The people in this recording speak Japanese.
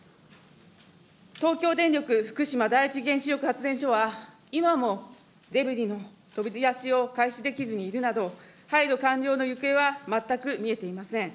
東京電力福島第一原子力発電所は、今もデブリの取り出しを開始できずにいるなど、廃炉完了の行方は全く見えていません。